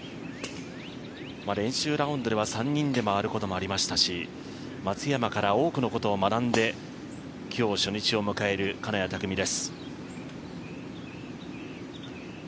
練習ラウンドでは３人で回ることがありましたし松山から多くのことを学んで今日、初日を迎える金谷拓実です。